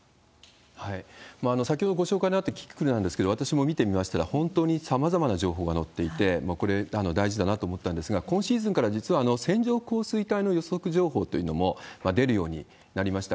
先ほどご紹介のあったキキクルなんですけれども、私も見てみましたら、本当にさまざまな情報が載っていて、これ、大事だなと思ったんですが、今シーズンから実は線状降水帯の予測情報というのも出るようになりました。